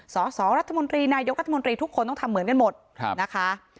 สสรัฐมนตรีนายกรัฐมนตรีทุกคนต้องทำเหมือนกันหมดนะคะ